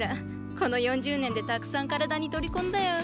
この４０年でたくさん体に取り込んだよ。